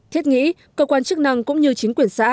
thiết nghĩ cơ quan chức năng cũng như chính quyền xã